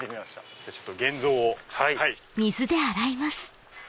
じゃあ現像を。